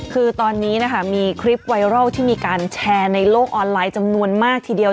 คือตอนนี้นะคะมีคลิปไวรัลที่มีการแชร์ในโลกออนไลน์จำนวนมากทีเดียว